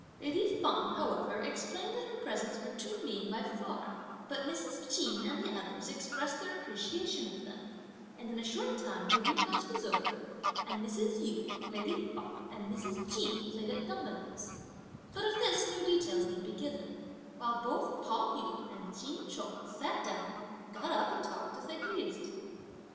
Lady Feng, however, explained that her presents were too mean by far, but Mrs. Ch'in and the others expressed their appreciation of them; and in a short time the repast was over, and Mrs. Yu, lady Feng and Mrs. Ch'in played at dominoes, but of this no details need be given; while both Pao yü and Ch'in Chung sat down, got up and talked, as they pleased.